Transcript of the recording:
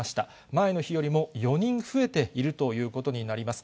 前の日よりも４人増えているということになります。